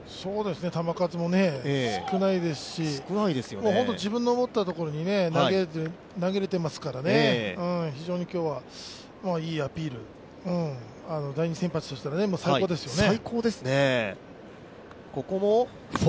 球数も少ないですし、本当に自分の思ったところに投げれていますから、非常に今日はいいアピール、第２先発として最高ですよね。